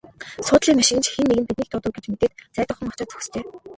Суудлын машин ч хэн нэг нь биднийг дуудав гэж мэдээд зайдуухан очоод зогсжээ.